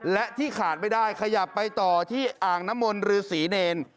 และที่ขายไปได้ขยับไปต่อที่อางน้ำมณฑฤษศรีเนร